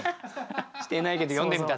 してないけど詠んでみた。